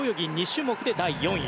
２種目で第４位。